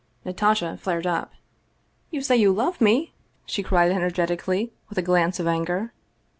Natasha flared up. " You say you love me?" she cried energetically, with a glance of anger.